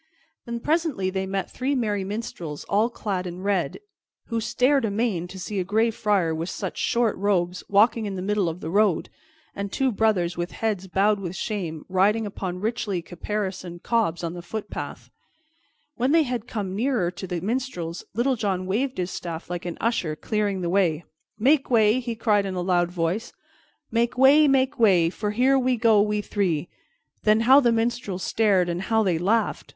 Then presently they met three merry minstrels, all clad in red, who stared amain to see a Gray Friar with such short robes walking in the middle of the road, and two brothers with heads bowed with shame, riding upon richly caparisoned cobs on the footpaths. When they had come near to the minstrels, Little John waved his staff like an usher clearing the way. "Make way!" he cried in a loud voice. "Make way! make way! For here we go, we three!" Then how the minstrels stared, and how they laughed!